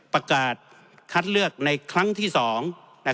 ประกาศคัดเลือกในครั้งที่๒